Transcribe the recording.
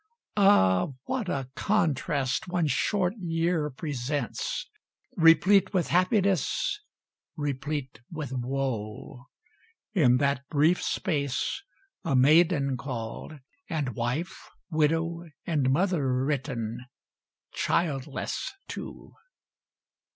Ah, what a contrast one short year presents! Replete with happiness replete with woe; In that brief space, a maiden called, and wife, Widow and mother written childless too.